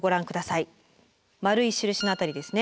丸い印の辺りですね。